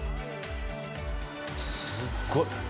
すっごい。